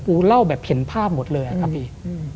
เล่าแบบเห็นภาพหมดเลยอะครับพี่